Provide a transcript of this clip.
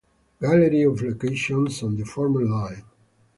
Gallery of locations on the former line.